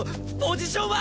ポジションは！？